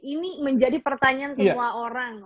ini menjadi pertanyaan semua orang